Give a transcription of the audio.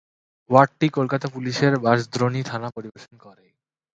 ওয়ার্ডটি কলকাতা পুলিশের বাঁশদ্রোণী থানা পরিবেশন করে।